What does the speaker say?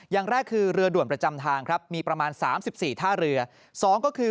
อย่างแรกคือเรือด่วนประจำทางมีประมาณ๓๔ท่าเรือ